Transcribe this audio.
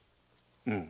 うん。